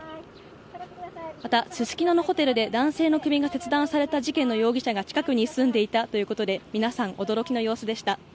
また、すすきののホテルで男性の首が切断された事件の容疑者が近くに住んでいたということで皆さん、驚きの様子でした。